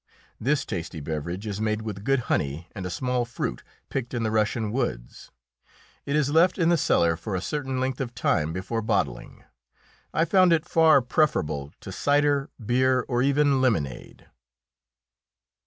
This tasty beverage is made with good honey and a small fruit picked in the Russian woods; it is left in the cellar for a certain length of time before bottling. I found it far preferable to cider, beer, or even lemonade.